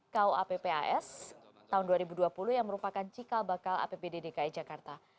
kuappas tahun dua ribu dua puluh yang merupakan cikal bakal apbd dki jakarta